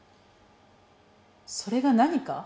「それが何か？」